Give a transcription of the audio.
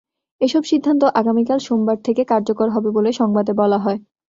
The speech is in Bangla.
এসব সিদ্ধান্ত আগামীকাল সোমবার থেকে কার্যকর হবে বলে সংবাদে বলা হয়।